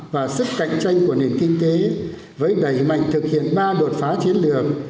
và sức cạnh tranh của nền kinh tế với đẩy mạnh thực hiện ba đột phá chiến lược